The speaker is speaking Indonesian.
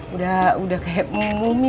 udah udah kehipmu